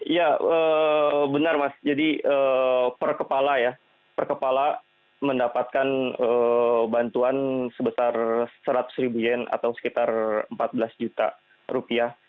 ya benar mas jadi per kepala ya per kepala mendapatkan bantuan sebesar seratus ribu yen atau sekitar empat belas juta rupiah